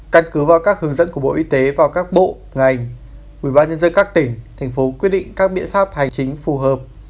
căn cứ vào các hướng dẫn của bộ y tế vào các bộ ngành ubnd các tỉnh thành phố quyết định các biện pháp hành chính phù hợp